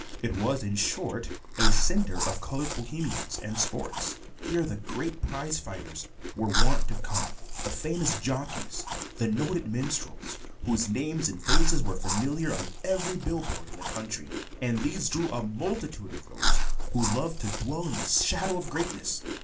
It was, in short, a center of colored Bohemians and sports. Here the great prize fighters were wont to come, the famous jockeys, the noted minstrels, whose names and faces were familiar on every bill board in the country; and these drew a multitude of those who love to dwell in the shadow of greatness.